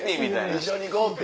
一緒に行こう！って。